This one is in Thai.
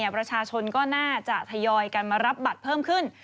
ประชาชนก็น่าจะทยอยกันมารับบัตรเพิ่มขึ้น